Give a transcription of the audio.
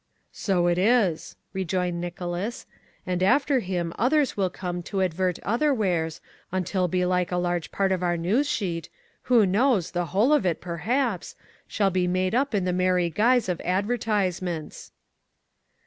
"So it is," rejoined Nicholas, "and after him others will come to advert other wares until belike a large part of our news sheet, who knows? the whole of it, perhaps, shall be made up in the merry guise of advertisements."